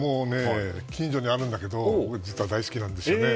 近所にあるんだけど実は僕、大好きなんですよね。